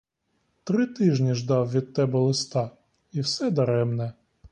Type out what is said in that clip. Три тижні ждав від тебе листа, і все даремне.